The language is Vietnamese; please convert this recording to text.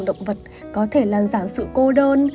động vật có thể làm giảm sự cô đơn